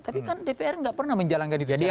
tapi kan dpr enggak pernah menjalankan itu secara serius